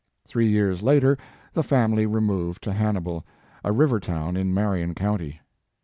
Three years later the family removed to Hannibal, a river town in Marion county.